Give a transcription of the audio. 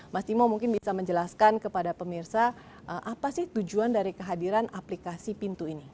mas timo mungkin bisa menjelaskan kepada pemirsa apa sih tujuan dari kehadiran aplikasi pintu ini